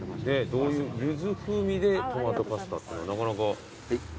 ユズ風味でトマトパスタっていうのはなかなか。